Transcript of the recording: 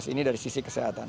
ini dari sisi kesehatan